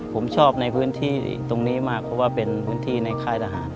ผมชอบในพื้นที่ตรงนี้มากเพราะว่าเป็นพื้นที่ในค่ายทหาร